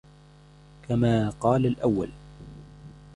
كَمَا قَالَ الْأَوَّلُ